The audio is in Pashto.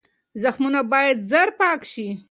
زخمونه باید زر پاک شي.